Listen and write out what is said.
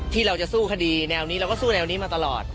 ที่เราจะสู้คดีแนวนี้เราก็สู้แนวนี้มาตลอด